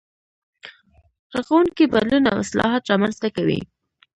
رغونکی بدلون او اصلاحات رامنځته کوي.